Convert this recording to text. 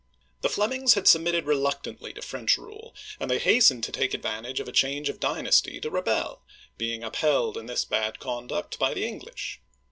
The Flemings had submitted reluctantly to French rule, and they hastened to take advantage of a change of dynasty to rebel, being upheld in this bad conduct by the English.